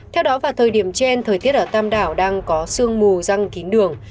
theo đó vào thời điểm trên thời tiết ở tam đảo đang có sương mù răng kín đường